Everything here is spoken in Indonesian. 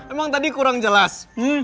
emang tadi kurang jelas